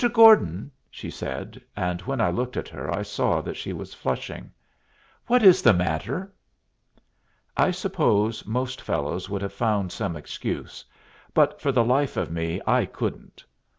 Gordon," she said, and when I looked at her I saw that she was flushing, "what is the matter?" I suppose most fellows would have found some excuse, but for the life of me I couldn't.